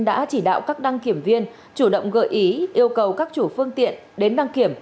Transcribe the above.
đã chỉ đạo các đăng kiểm viên chủ động gợi ý yêu cầu các chủ phương tiện đến đăng kiểm